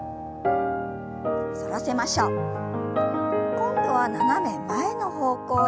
今度は斜め前の方向へ。